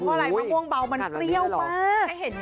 เพราะอะไรมะม่วงเบามันเปรี้ยวมาก